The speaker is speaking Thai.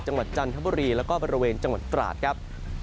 จันทบุรีแล้วก็บริเวณจังหวัดตราดครับ